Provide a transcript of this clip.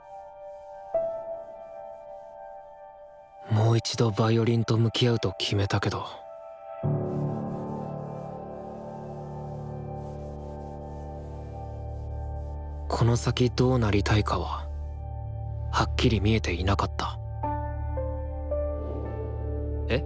もう一度ヴァイオリンと向き合うと決めたけどこの先どうなりたいかははっきり見えていなかったえっ？